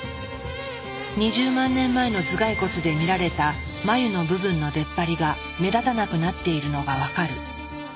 ２０万年前の頭蓋骨で見られた眉の部分の出っ張りが目立たなくなっているのが分かる。